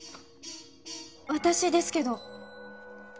私ですけど。